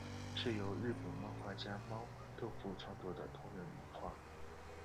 是由日本漫画家猫豆腐创作的同人漫画。